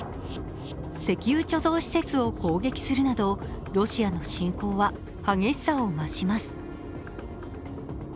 石油貯蔵施設を攻撃するなどロシアの侵攻は激しさを増します。